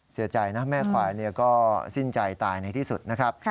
เสียใจนะแม่ควายก็สิ้นใจตายในที่สุดนะครับ